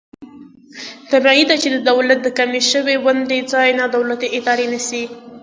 طبعي ده چې د دولت د کمې شوې ونډې ځای نا دولتي ادارې نیسي.